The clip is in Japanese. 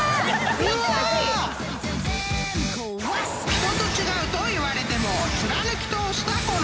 ［人と違うと言われても貫き通したこの我流］